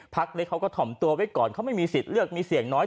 เล็กเขาก็ถ่อมตัวไว้ก่อนเขาไม่มีสิทธิ์เลือกมีเสียงน้อย